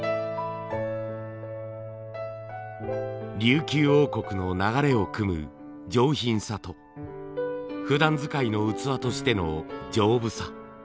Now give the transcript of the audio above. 琉球王国の流れをくむ上品さとふだん使いの器としての丈夫さ。